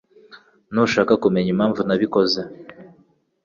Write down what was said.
Ntushaka kumenya impamvu ntabikoze